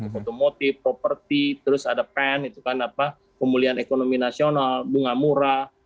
motomotif properti terus ada pan pemulihan ekonomi nasional bunga murah